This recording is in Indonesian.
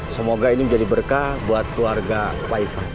semoga ini menjadi berkah buat keluarga pak iva